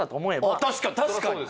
あっ確かに確かに！